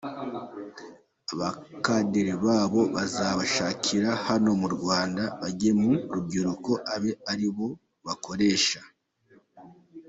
Abakadere babo bazabashakira hano mu Rwanda bage mu rubyiruko abe ari bo bakoresha.